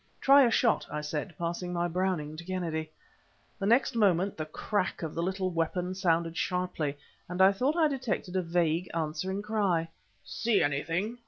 "Try a shot!" I said, passing my Browning to Kennedy. The next moment, the crack of the little weapon sounded sharply, and I thought I detected a vague, answering cry. "See anything?"